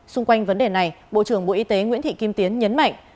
xung quanh vấn đề này bộ trưởng bộ y tế nguyễn thị kim tiến nhấn mạnh